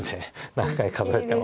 何回数えても。